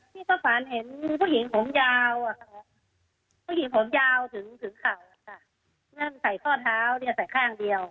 พี่ช่องฝันเห็นผู้หญิงผมยาวผู้หญิงผมยาวถึงข่าวทั้งคอเท้าใส่ข้างเดียว